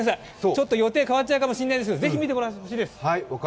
ちょっと予定変わっちゃうかもしれないですけれどもぜひ見てほしいです。